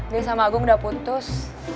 dia sama agung udah putus